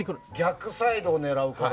逆サイドを狙うから。